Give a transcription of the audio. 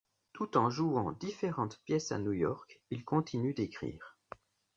Tout en jouant différentes pièces à New York, il continue d'écrire.